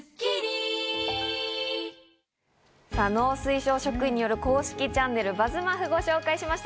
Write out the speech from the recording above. さぁ、農水省職員による公式チャンネル『ＢＵＺＺＭＡＦＦ』をご紹介しました。